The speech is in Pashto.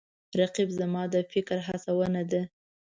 رقیب زما د فکر هڅونه ده